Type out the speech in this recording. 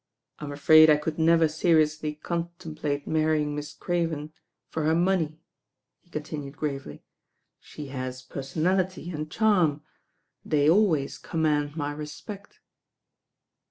I'm afraid I could never seriously con template marrying Miss Craven for her money," he continued gravely. "She has personality and charm; they always command my respect."